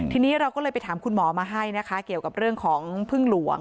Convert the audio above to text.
ทีนี้เราก็เลยไปถามคุณหมอมาให้นะคะเกี่ยวกับเรื่องของพึ่งหลวง